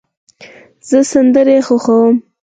زه سندرې خوښوم.